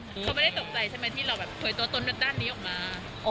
เขาไม่ได้ตกใจใช่ไหมที่เราแบบเผยตัวตนด้านนี้ออกมา